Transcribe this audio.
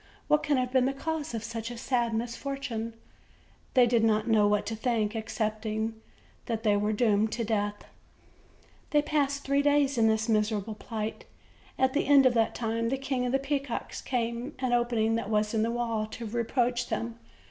what can have been the cause of such a sad misfortune?" They did not know what to think, excepting that they were doomed to death. They passed three days in this miserable plight. At the end of that time , the King of the Peacocks came to an opening that was in the wall, to reproach them.